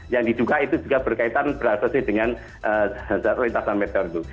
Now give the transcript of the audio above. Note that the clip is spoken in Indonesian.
yang diduga itu juga berkaitan berasasi dengan tata tata meteor itu